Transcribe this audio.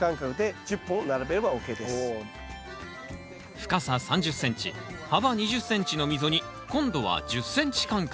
深さ３０ｃｍ幅２０ｃｍの溝に今度は１０ｃｍ間隔。